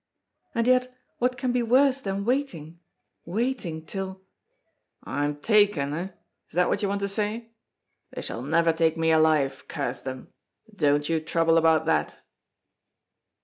And yet what can be worse than waiting waiting till " "I'm taken, eh? Is that what you want to say? They shall never take me alive, curse them; don't you trouble about that!"